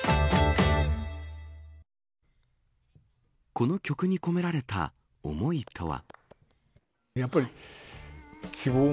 この曲に込められた思いとは。